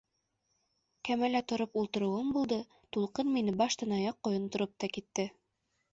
Кәмәлә тороп ултырыуым булды, тулҡын мине баштан аяҡ ҡойондороп та китте.